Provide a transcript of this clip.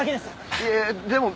いやでも。